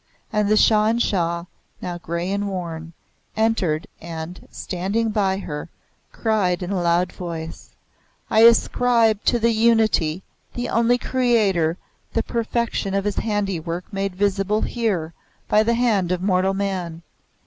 And the Shah in Shah, now grey and worn, entered and, standing by her, cried in a loud voice, "I ascribe to the Unity, the only Creator, the perfection of his handiwork made visible here by the hand of mortal man.